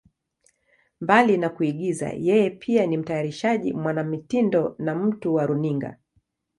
Mbali na kuigiza, yeye pia ni mtayarishaji, mwanamitindo na mtu wa runinga.